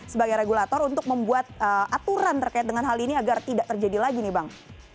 sebagai regulator untuk membuat aturan terkait dengan hal ini agar tidak terjadi lagi nih bang